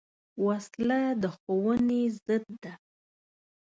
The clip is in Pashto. وسله د ښوونې ضد ده